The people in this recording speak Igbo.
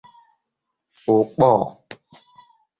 Ụkpọr